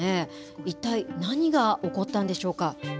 一体、何が起こったんでしょうか。